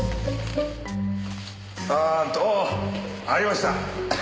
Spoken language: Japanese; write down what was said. あーっとありました。